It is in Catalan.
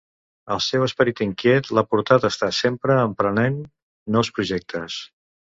El seu esperit inquiet l'ha portat a estar sempre emprenent nous projectes.